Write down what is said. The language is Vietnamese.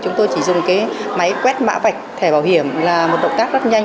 chúng tôi chỉ dùng cái máy quét mã vạch thẻ bảo hiểm là một động tác rất nhanh